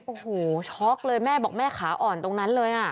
โอ้โหช็อกเลยแม่บอกแม่ขาอ่อนตรงนั้นเลย